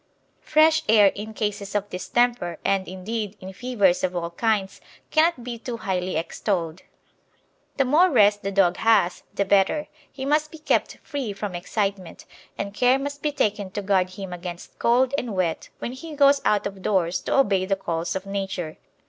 Fresh air in cases of distemper, and, indeed, in fevers of all kinds, cannot be too highly extolled. The more rest the dog has the better; he must be kept free from excitement, and care must be taken to guard him against cold and wet when he goes out of doors to obey the calls of Nature.